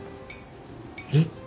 えっ？